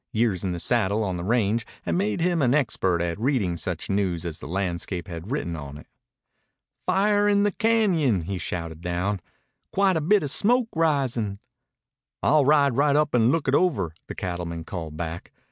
Years in the saddle on the range had made him an expert at reading such news as the landscape had written on it. "Fire in Bear Cañon!" he shouted down. "Quite a bit of smoke risin'." "I'll ride right up and look it over," the cattleman called back.